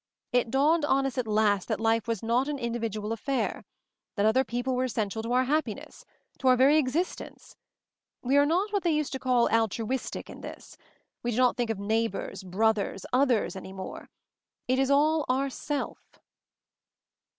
It \ dawned on us at last that life was not an individual affair; that other people were essential to our happiness — to our very ex istence. We are not what they used to call 'altruistic' in this. We do not think of 'neighbors/ 'brothers/ 'others' any more. It is all 'ourself